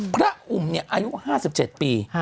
พระอุ่มนี่อายุห้าสิบเจ็ดปี